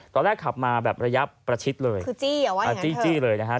ตอนแรกขับมาระยะประชิดเลยคือจี้เหรอว่าไงเท่าเถอะ